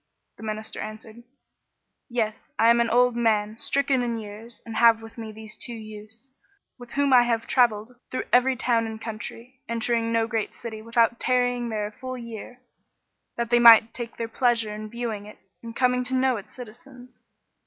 The Minister answered, "Yes; I am an old man, stricken in years, and have with me these two youths, with whom I have travelled through every town and country, entering no great city without tarrying there a full year, that they might take their pleasure in viewing it and come to know its citizens.